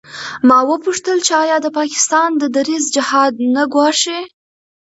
ما وپوښتل چې آیا د پاکستان دا دریځ جهاد نه ګواښي.